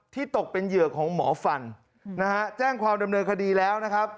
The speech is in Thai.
ตกเป็นเหยื่อของหมอฟันนะฮะแจ้งความดำเนินคดีแล้วนะครับ